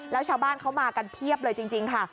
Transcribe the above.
แล้วชาวบ้านเขามากันเพียบเลยจริงค่ะ